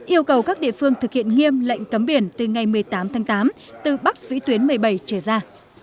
yêu cầu các địa phương thực hiện nghiêm lệnh cấm biển từ ngày một mươi tám tháng tám từ bắc vĩ tuyến một mươi bảy trở ra